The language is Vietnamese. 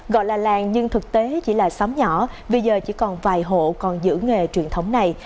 gọi là làng nhưng thực tế chỉ là xóm nhỏ bây giờ chỉ còn vài hộ còn giữ nghề truyền thống này